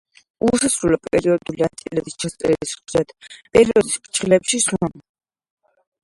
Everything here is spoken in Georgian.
უსასრულო პერიოდული ათწილადის ჩაწერისას ხშირად პერიოდს ფრჩხილებში სვამენ.